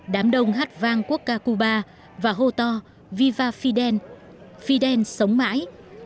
đám đông hát vang quốc ca cuba và hô to viva fidel fidel sống mãi